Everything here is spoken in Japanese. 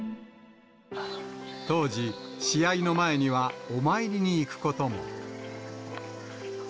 当時、試合の前にはお参りに行くことも。